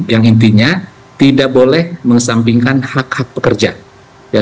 yang intinya tidak boleh mengesampingkan hak hak pekerja